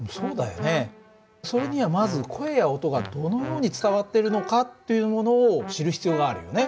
それにはまず声や音がどのように伝わっているのかというものを知る必要があるよね。